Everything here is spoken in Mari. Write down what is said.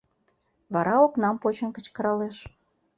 Вара окнам почын кычкыралеш: